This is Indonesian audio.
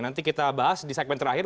nanti kita bahas di segmen terakhir